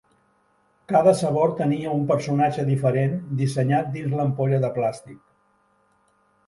Cada sabor tenia un personatge diferent dissenyat dins l'ampolla de plàstic.